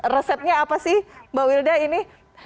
resepnya apa sih mbak wilda ini